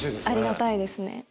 ありがたいですね。